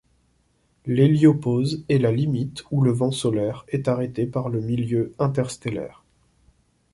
L'héliopause est la limite où le vent solaire est arrêté par le milieu interstellaire.